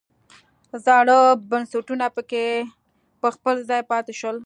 زاړه بنسټونه پکې په خپل ځای پاتې شول.